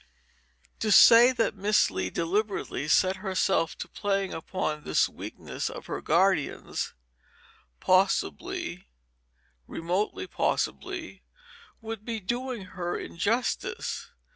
To say that Miss Lee deliberately set herself to playing upon this weakness of her guardian's, possibly, remotely possibly, would be doing her injustice.